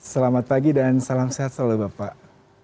selamat pagi dan salam sehat selalu bapak